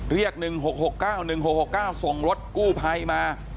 เรียก๑๖๖๙๑๖๖๙ส่งรถกู้ไพมา